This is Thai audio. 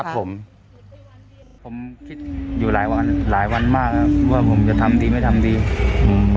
ครับผมผมคิดอยู่หลายวันหลายวันมากครับว่าผมจะทำดีไม่ทำดีอืม